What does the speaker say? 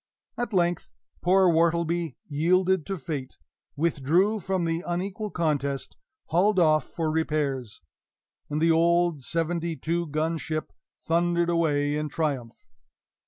At length, poor Wortleby yielded to fate withdrew from the unequal contest hauled off for repairs, and the old seventy two gun ship thundered away in triumph.